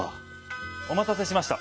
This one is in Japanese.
お待たせしました。